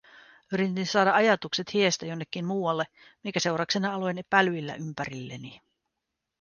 Yritin saada ajatukset hiestä jonnekin muualle, minkä seurauksena aloin pälyillä ympärilleni.